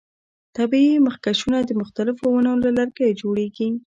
طبیعي مخکشونه د مختلفو ونو له لرګیو جوړیږي.